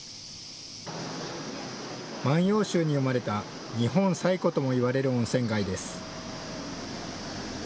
万葉集に詠まれた日本最古とも言われる温泉街です。